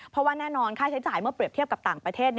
เพราะว่าแน่นอนค่าใช้จ่ายเมื่อเปรียบเทียบกับต่างประเทศ